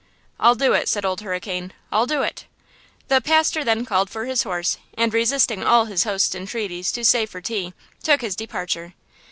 "I'll do it," said Old Hurricane. "I'll do it." The pastor then called for his horse and, resisting all his host's entreaties to stay for tea, took his departure.